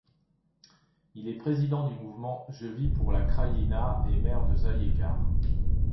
Il est président du Mouvement Je vis pour la Krajina et maire de Zaječar.